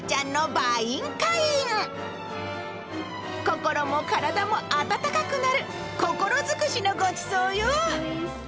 心も体も温かくなる心尽くしのごちそうよ。